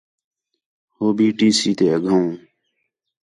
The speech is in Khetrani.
ہو بھی ڈی سی تے اڳّوں